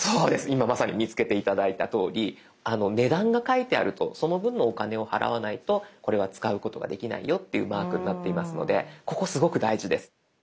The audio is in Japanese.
今まさに見つけて頂いたとおり値段が書いてあるとその分のお金を払わないとこれは使うことができないよというマークになっていますのでここすごく大事です。